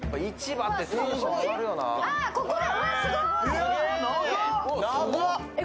あ、ここだ。